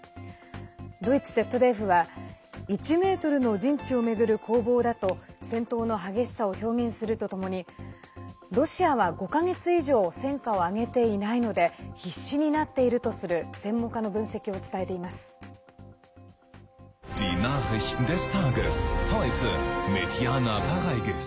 ドイツＺＤＦは１ｍの陣地を巡る攻防だと戦闘の激しさを表現するとともにロシアは５か月以上戦果を上げていないので必死になっているとする専門家の分析を伝えています。